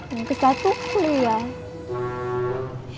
yang ke satu kuliah